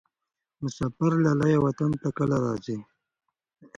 مسافر لالیه وطن ته کله راځې؟